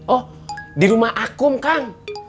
oh di rumah aku kang